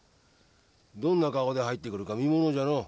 どんな顔で入ってくるか見ものじゃのう。